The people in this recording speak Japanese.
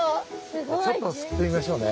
じゃあちょっとすくってみましょうね。